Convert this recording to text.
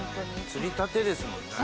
釣りたてですもんね。